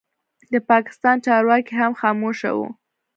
د پاکستان چارواکي هم خاموشه وو.